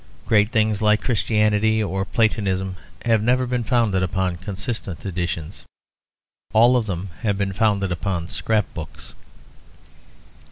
Great things like Christianity or Platonism have never been founded upon consistent editions; all of them have been founded upon scrap books.